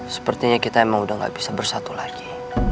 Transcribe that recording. sepertinya kita emang udah gak bisa bersatu lagi